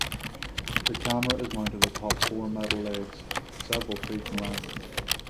The camera is mounted atop four metal legs, several feet in length.